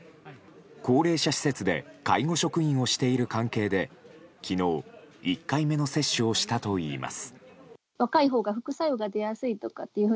高齢者施設で介護職員をしている関係で昨日１回目の接種をしたといいます。